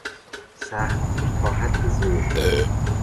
سختگیر تا حد ظلم